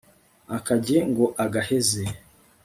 akajye ngo agaheze